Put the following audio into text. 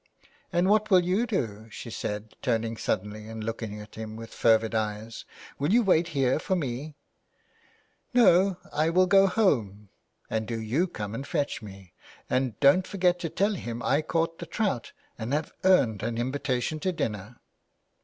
" And what will you do ?" she said, turning suddenly and looking at him with fervid eyes. " Will you wait here for me ?"" No, I will go home and do you come and fetch me — and don't forget to tell him I caught the trout and have earned an invitation to dinner."